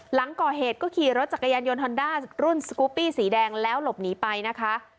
หลังก่อเหตุก็ขี่รถจักรยานยนต์ฮอนด้ารุ่นสกูปปี้สีแดงแล้วหลบหนีไปนะคะ